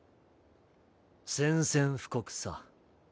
宣戦布告さ。